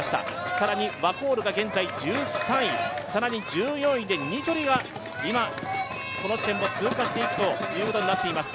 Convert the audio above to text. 更にワコールが現在１３位、更に１４位でニトリが今、この地点を通過していくことになっています。